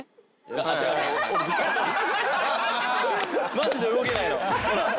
マジで動けないの。